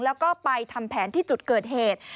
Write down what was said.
แล้วก็ไปทำแผนที่จุดเกิดเหตุ